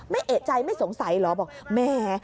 ไม่เอกใจไม่สงสัยหรอบอกแหม